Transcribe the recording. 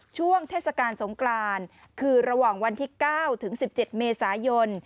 ช่วงเทศกาลสงกรานคือระหว่างวันที่๙ถึง๑๗เมษายน